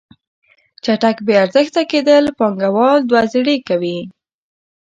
چټک بې ارزښته کیدل پانګوال دوه زړې کوي.